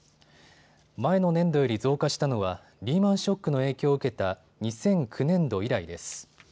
前の年度より増加したのはリーマンショックの影響を受けた２００９年度以来です。